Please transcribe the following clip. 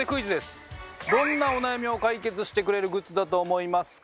どんなお悩みを解決してくれるグッズだと思いますか？